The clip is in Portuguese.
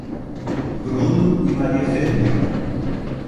Bruno e Maria Fernanda